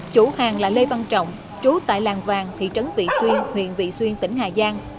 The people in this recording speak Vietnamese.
chủ hàng là lê văn trọng trú tại làng vàng thị trấn vị xuyên huyện vị xuyên tỉnh hà giang